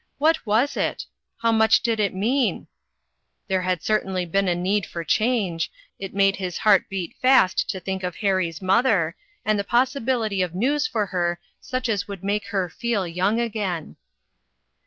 What was it? How much did it mean ? There had certainly been need for 380 INTERRUPTED. change. It made his heart beat fast to think of Harry's mother, and the possibility of news for her such as would make her feel young again.